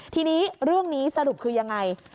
ทีนี้เรื่องนี้สรุปคือยังไง